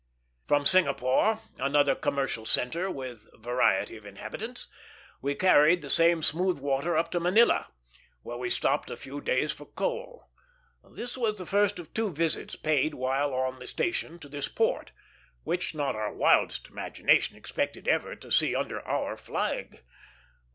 From Singapore, another commercial centre with variety of inhabitants, we carried the same smooth water up to Manila, where we stopped a few days for coal. This was the first of two visits paid while on the station to this port, which not our wildest imagination expected ever to see under our flag.